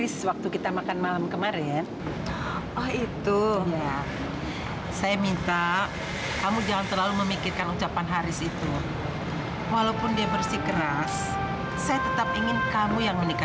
sampai jumpa di video selanjutnya